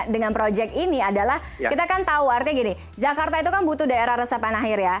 dengan proyek ini adalah kita kan tahu artinya gini jakarta itu kan butuh daerah resapan akhir ya